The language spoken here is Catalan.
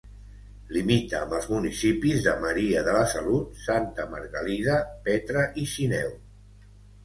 Limita amb els municipis de Maria de la Salut, Santa Margalida, Petra i Sineu.